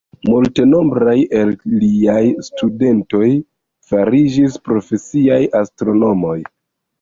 Multenombraj el liaj studentoj fariĝis profesiaj astronomoj.